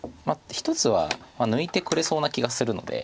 １つは抜いてくれそうな気がするので。